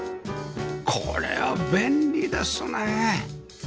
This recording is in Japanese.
これは便利ですね